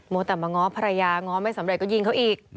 แต่มาง้อภรรยาง้อไม่สำเร็จก็ยิงเขาอีก